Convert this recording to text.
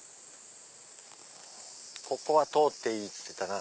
ここは通っていいっつってたな。